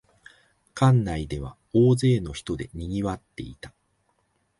館内では大勢の人でにぎわっていた